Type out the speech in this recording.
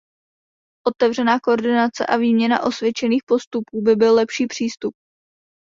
Otevřená koordinace a výměna osvědčených postupů by byl lepší přístup.